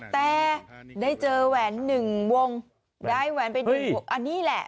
แต่ได้เจอแหวนหนึ่งวงได้แหวนเป็นหนึ่งวงอันนี้แหละ